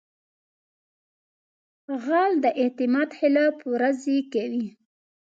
غل د اعتماد خلاف ورزي کوي